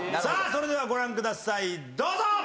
さぁそれではご覧くださいどうぞ！